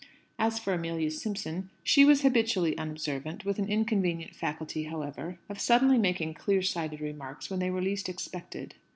As for Amelia Simpson, she was habitually unobservant, with an inconvenient faculty, however, of suddenly making clear sighted remarks when they were least expected.